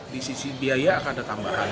di sisi biaya akan ada tambahan